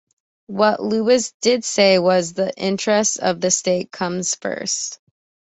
What Louis did say was: The interests of the state come first.